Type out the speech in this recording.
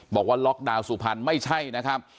บอกว่าล๊อคดาวสุภัณฑ์ไม่ใช่นะครับ